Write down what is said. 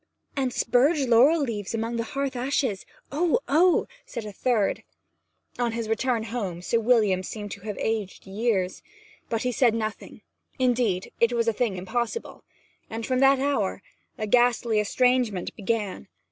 'And spurge laurel leaves among the hearth ashes. Oh oh!' said a third. On his return home Sir William seemed to have aged years. But he said nothing; indeed, it was a thing impossible. And from that hour a ghastly estrangement began.